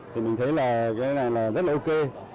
thì mình thấy là cái này là rất là ok